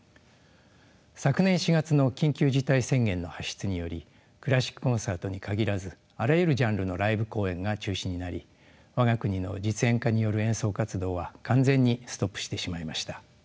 昨年４月の緊急事態宣言の発出によりクラシックコンサートに限らずあらゆるジャンルのライブ公演が中止になり我が国の実演家による演奏活動は完全にストップしてしまいました。